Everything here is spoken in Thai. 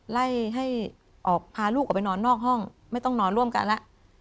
ไล่ให้ออกพาลูกออกไปนอนนอกห้องไม่ต้องนอนร่วมกันแล้ว